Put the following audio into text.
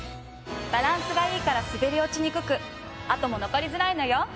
バランスがいいから滑り落ちにくく跡も残りづらいのよ。